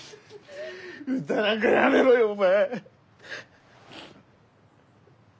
歌なんかやめろよお前。